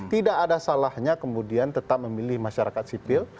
tidak ada salahnya kemudian tetap memilih masyarakat sipil